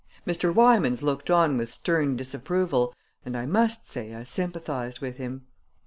Mr. Wymans looked on with stern disapproval and I must say I sympathized with him.